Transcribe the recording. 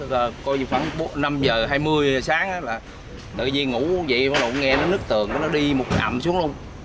rồi coi như khoảng năm giờ hai mươi giờ sáng là tự nhiên ngủ vậy bắt đầu nghe nó nứt tường nó đi một ngậm xuống luôn